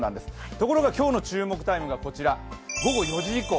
ところが今日の注目タイムがこちら、午後４時以降。